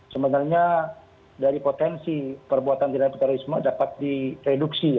sebenarnya dari potensi perbuatan tidak terorisme dapat direduksi